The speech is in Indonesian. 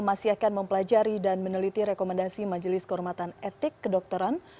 masih akan mempelajari dan meneliti rekomendasi majelis kehormatan etik kedokteran